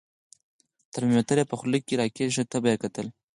ترمامیتر یې په خوله کې را کېښود، تبه یې کتل.